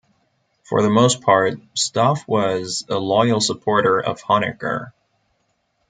For the most part, Stoph was a loyal supporter of Honecker.